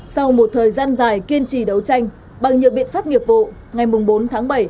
sau một thời gian dài kiên trì đấu tranh bằng nhiều biện pháp nghiệp vụ ngày bốn tháng bảy